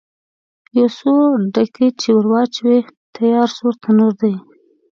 یو څو ډکي چې ور واچوې، تیار سور تنور دی.